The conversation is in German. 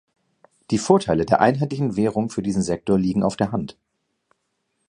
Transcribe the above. Die Vorteile der einheitlichen Währung für diesen Sektor liegen auf der Hand.